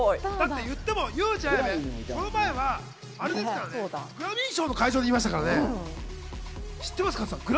言ってもユウジ・アヤベ、この前はグラミー賞の会場にいましたからね。